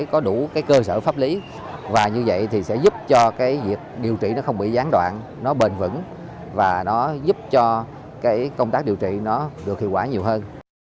có đủ cơ sở pháp lý và như vậy sẽ giúp cho điều trị không bị gián đoạn bền vững và giúp cho công tác điều trị được hiệu quả nhiều hơn